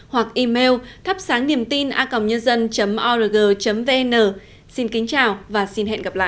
hoặc email thapsangniemtina org vn xin kính chào và xin hẹn gặp lại